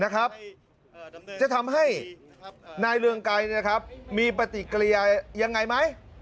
นะครับจะทำให้นายเรืองไกรนะครับมีปฏิกริยายังไงไหม